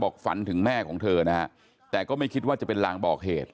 ฝันถึงแม่ของเธอนะฮะแต่ก็ไม่คิดว่าจะเป็นลางบอกเหตุ